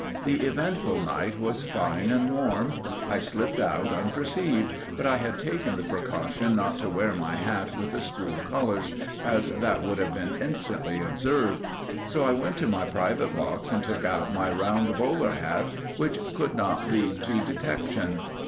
The eventful night was fine and warm. I slipped out unperceived, but I had taken the precaution not to wear my hat with the school colours, as that would have been instantly observed. So I went to my private box and took out my round bowler hat, which could not lead to detection.